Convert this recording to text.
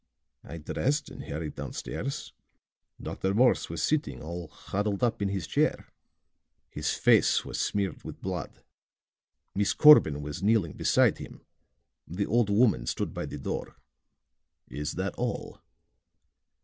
I dressed and hurried down stairs. Dr. Morse was sitting all huddled up in his chair; his face was smeared with blood. Miss Corbin was kneeling beside him; the old woman stood by the door." "Is that all?"